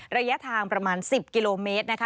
ระยะทางประมาณ๑๐กิโลเมตรนะคะ